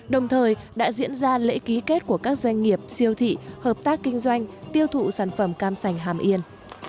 đồng thời đã diễn ra lễ ký kết của các doanh nghiệp siêu thị hợp tác kinh doanh tiêu thụ sản phẩm cam sành hàm yên